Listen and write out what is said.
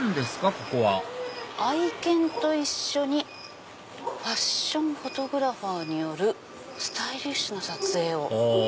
ここは「愛犬と一緒にファッションフォトグラファーによるスタイリッシュな撮影を」。